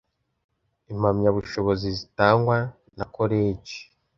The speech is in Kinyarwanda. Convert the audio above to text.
impamyabushobozi zitangwa na koleji